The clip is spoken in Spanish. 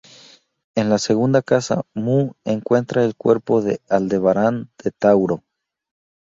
En la segunda casa, Mu encuentra el cuerpo de Aldebarán de Tauro.